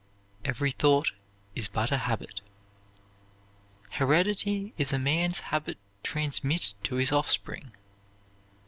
"Even thought is but a habit." Heredity is a man's habit transmitted to his offspring.